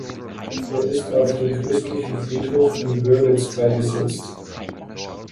Er ist auf dem Christlichen Friedhof in Wörlitz beigesetzt.